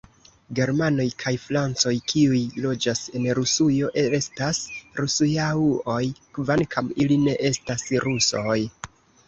Germanoj kaj francoj, kiuj loĝas en Rusujo, estas Rusujauoj, kvankam ili ne estas rusoj.